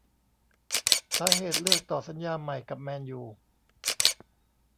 สาเหตุเลือกต่อสัญญาใหม่กับ แมนยู